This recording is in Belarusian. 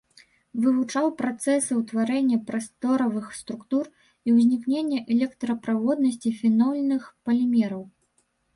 Вывучаў працэсы ўтварэння прасторавых структур і ўзнікнення электраправоднасці фенольных палімераў.